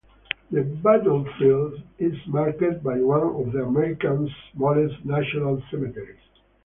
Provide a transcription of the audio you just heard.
The battlefield is marked by one of America's smallest national cemeteries.